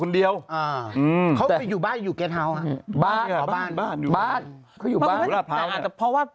คนเดียวเขาอยู่บ้านอยู่บ้านบ้านบ้านเขาอยู่บ้านเพราะว่า